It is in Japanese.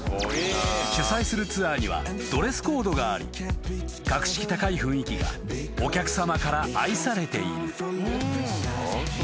［主催するツアーにはドレスコードがあり格式高い雰囲気がお客さまから愛されている］